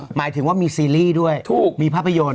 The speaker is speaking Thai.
หมายถึงว่ามีซีรีส์ด้วยถูกมีภาพยนตร์